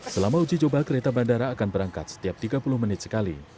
selama uji coba kereta bandara akan berangkat setiap tiga puluh menit sekali